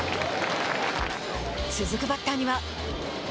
続くバッターには。